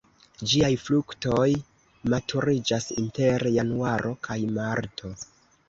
Ĝiaj fruktoj maturiĝas inter januaro kaj marto.